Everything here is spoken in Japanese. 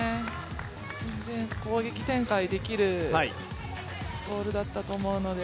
攻撃展開できるボールだったと思うので。